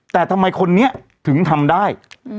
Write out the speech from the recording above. แต่ทำไมคนนี้ถึงทำได้